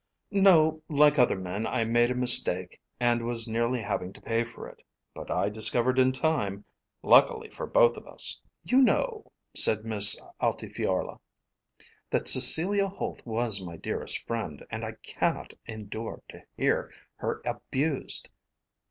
"No; like other men I made a mistake and was nearly having to pay for it. But I discovered in time, luckily for both of us." "You know," said Miss Altifiorla, "that Cecilia Holt was my dearest friend, and I cannot endure to hear her abused."